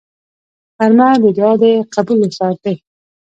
غرمه د دعا د قبولو ساعت دی